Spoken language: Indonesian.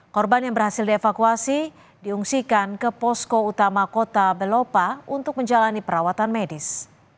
korban yang berhasil dievakuasi diungsikan ke posko utama kota belopa untuk menjalani perawatan medis